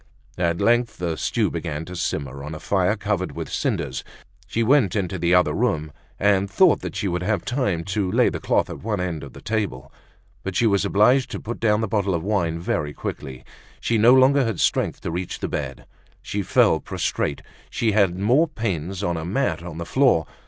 At length the stew began to simmer on a fire covered with cinders. She went into the other room, and thought she would have time to lay the cloth at one end of the table. But she was obliged to put down the bottle of wine very quickly; she no longer had strength to reach the bed; she fell prostrate, and she had more pains on a mat on the floor.